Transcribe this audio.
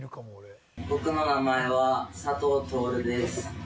「僕の名前は佐藤達です」